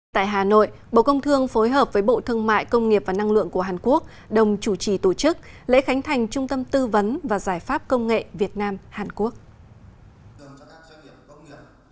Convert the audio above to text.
tại hà nội bộ công thương phối hợp với bộ thương mại công nghiệp và năng lượng của hàn quốc đồng chủ trì tổ chức lễ khánh thành trung tâm tư vấn và giải pháp công nghệ việt nam hàn quốc